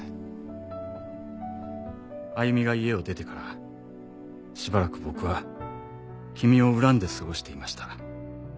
「あゆみが家を出てからしばらく僕は君を恨んで過ごしていました」